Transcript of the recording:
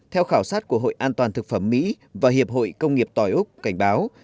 theo khảo sát của hội an toàn thực phẩm mỹ và hiệp hội công nghiệp tỏi úc cảnh báo